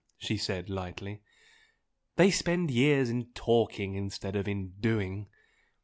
she said, lightly. "They spend years in talking instead of in doing.